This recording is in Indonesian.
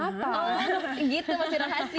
oh gitu masih rahasia